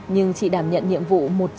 nhưng chị đảm nhận nhiệm vụ một lần nữa